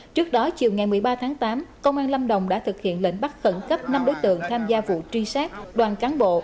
trước đó chiều ngày một mươi ba tháng tám công an lâm đồng đã thực hiện lệnh bắt khẩn cấp năm đối tượng tham gia vụ truy sát đoàn cán bộ